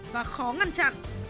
và khó ngăn chặn